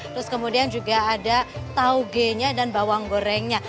terus kemudian juga ada tauge nya dan bawang gorengnya